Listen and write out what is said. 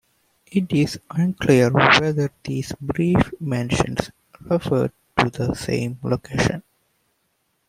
It is unclear whether these brief mentions referred to the same location.